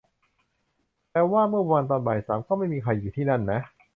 แต่ว่าเมื่อวานตอนบ่ายสามก็ไม่มีใครอยู่ที่นั่นนะ